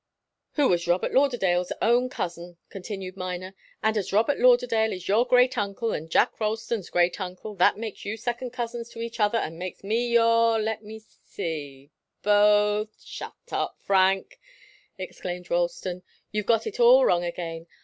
"Who was Robert Lauderdale's own cousin," continued Miner. "And as Robert Lauderdale is your great uncle and Jack Ralston's great uncle, that makes you second cousins to each other and makes me your let me see both " "Shut up, Frank!" exclaimed Ralston. "You've got it all wrong again.